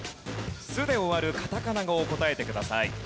「ス」で終わるカタカナ語を答えてください。